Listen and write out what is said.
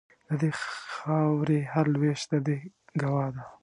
د دې خاوري هر لوېشت د دې ګوا ده